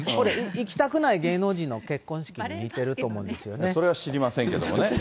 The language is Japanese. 行きたくない芸能人の結婚式に似てると思それは知りませんけどもね。